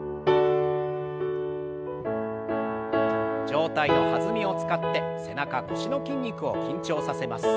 上体の弾みを使って背中腰の筋肉を緊張させます。